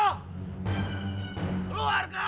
aku datang untuk menuntut balas